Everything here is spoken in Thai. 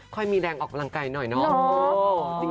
มีแรงออกกำลังกายหน่อยเนาะ